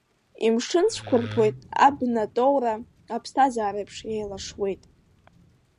Имшын цәқәырԥоуп абна тоура, аԥсҭазареиԥш еилашуеит.